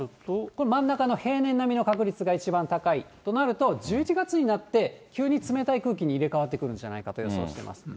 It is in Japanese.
これ、真ん中の平年並みの確率が一番高いとなると、１１月になって、急に冷たい空気に入れ代わってくるんじゃないかと予想しています。